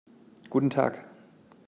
Guten Tag.